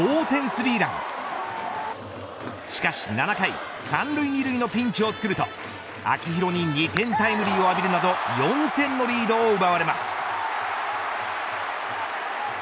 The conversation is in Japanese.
スリーランしかし７回３塁２塁のピンチをつくると秋広に２点タイムリーを浴びるなど４点のリードを奪われます。